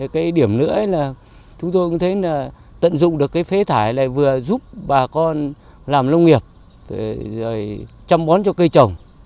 cái điểm nữa là chúng tôi cũng thấy là tận dụng được cái phế thải này vừa giúp bà con làm nông nghiệp rồi chăm bón cho cây trồng